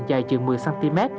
dài chừng một mươi cm